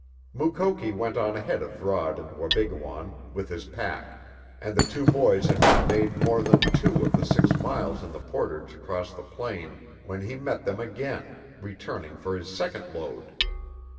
Mukoki went on ahead of Rod and Wabigoon with his pack, and the two boys had not made more than two of the six miles in the portage across the plain when he met them again, returning for his second load.